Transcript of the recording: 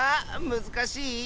むずかしい？